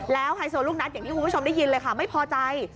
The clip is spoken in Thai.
ไฮโซลูกนัดอย่างที่คุณผู้ชมได้ยินเลยค่ะไม่พอใจ